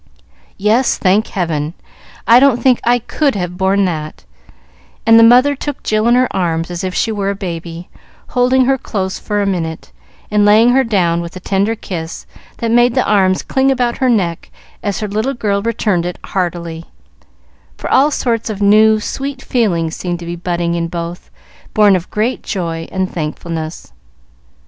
"Yes, thank Heaven! I don't think I could have borne that;" and the mother took Jill in her arms as if she were a baby, holding her close for a minute, and laying her down with a tender kiss that made the arms cling about her neck as her little girl returned it heartily, for all sorts of new, sweet feelings seemed to be budding in both, born of great joy and thankfulness.